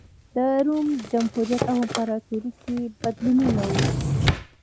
د روم جمهوریت او امپراتورۍ کې بدلونونه و